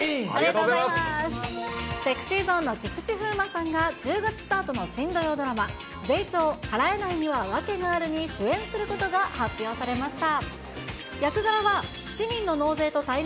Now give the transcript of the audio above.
ＳｅｘｙＺｏｎｅの菊池風磨さんが、１０月スタートの新土曜ドラマ、ゼイチョー払えないのにはワケがあるに主演することが発表されました。